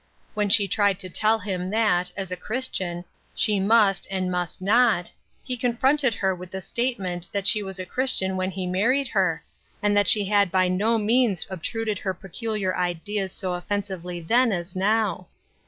When she tried to tell him that, as a Christian, she must, and must not, he confronted her with the statement that she was a Christian when he married her, and that she had by no means obtruded her peculiar ideas so offensively then as now.